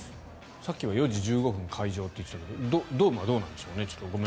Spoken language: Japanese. さっきは４時１５分開場と言っていたけどドームはどうなんでしょうね。